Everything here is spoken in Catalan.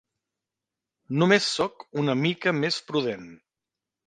Només sóc una mica més prudent.